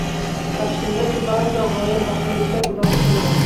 Gap shundaki, baʼzida g‘oya voqelikdan uzoqda bo‘ladi.